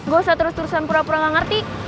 gak usah terus terusan pura pura gak ngerti